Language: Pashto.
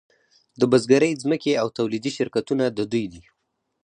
د بزګرۍ ځمکې او تولیدي شرکتونه د دوی دي